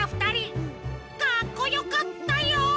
かっこよかったよ！